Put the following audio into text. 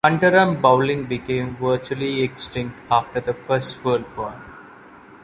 Underarm bowling became virtually extinct after the First World War.